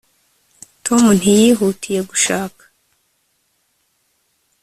tom ntiyihutiye gushaka